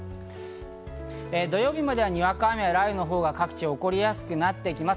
土曜日までは、にわか雨や雷雨が各地起こりやすくなっていきます。